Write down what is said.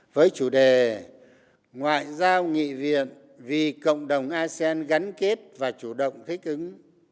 với chủ đề ngoại giao nghị viện vì cộng đồng asean gắn kết và chủ động thích ứng